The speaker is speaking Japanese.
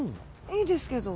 いいですけど。